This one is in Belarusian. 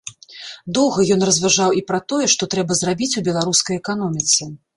Доўга ён разважаў і пра тое, што трэба зрабіць у беларускай эканоміцы.